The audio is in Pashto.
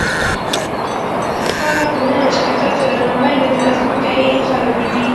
هغه ټولنه چې کتاب ته درناوی لري، راتلونکی یې نه خرابېږي.